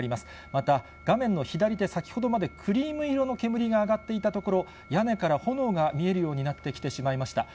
また画面の左手、先ほどまでクリーム色の煙が上がっていたところ、屋根から炎が見えるようになってきてしまいました。